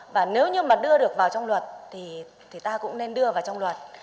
và nếu như mà đưa được vào trong luật thì ta cũng nên đưa vào trong luật